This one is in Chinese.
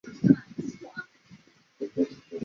混合以后的物质的总体称作混合物。